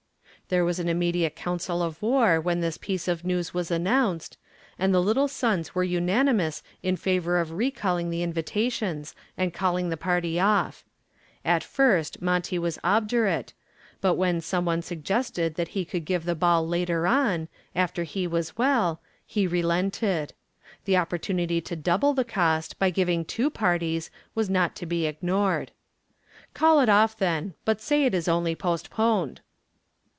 There was an immediate council of war when this piece of news was announced, and the "Little Sons" were unanimous in favor of recalling the invitations and declaring the party off. At first Monty was obdurate, but when some one suggested that he could give the ball later on, after he was well, he relented. The opportunity to double the cost by giving two parties was not to be ignored. "Call it off, then, but say it is only postponed."